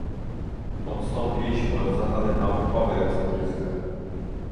Odstąpiliśmy od zasady naukowej oceny ryzyka